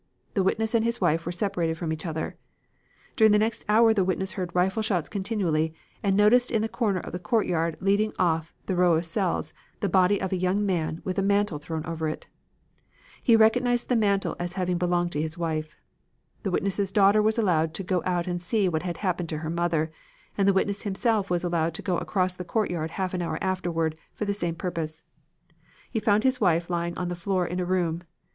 The witness and his wife were separated from each other. During the next hour the witness heard rifle shots continually and noticed in the corner of a courtyard leading off the row of cells the body of a young man with a mantle thrown over it. He recognized the mantle as having belonged to his wife. The witness' daughter was allowed to go out to see what had happened to her mother, and the witness himself was allowed to go across the courtyard half an hour afterward for the same purpose. He found his wife lying on the floor in a room.